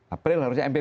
april harusnya mpp